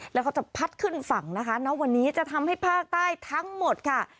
แล้วเขาจะพัดขึ้นฝั่งนะคะณวันนี้จะทำให้ภาคใต้ทั้งหมดค่ะ